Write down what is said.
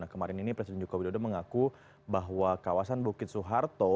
kemarin ini presiden jokowi dodo mengaku bahwa kawasan bukit suharto